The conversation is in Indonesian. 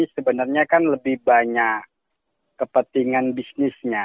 sebenarnya kan lebih banyak kepentingan bisnisnya